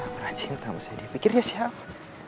merajinta bos saya dia pikir dia siapa